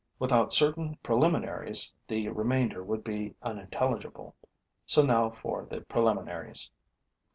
Without certain preliminaries, the remainder would be unintelligible. So now for the preliminaries.